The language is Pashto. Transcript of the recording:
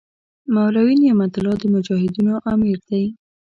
مولوي نعمت الله د مجاهدینو امیر دی.